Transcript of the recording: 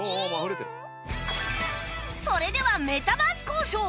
それではメタバース交渉！